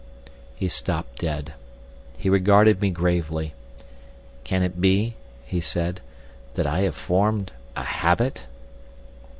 He stopped dead. He regarded me gravely. "Can it be," he said, "that I have formed a Habit?"